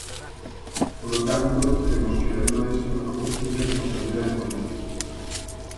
Polo tanto, cremos que, ademais, é unha cuestión de responsabilidade política.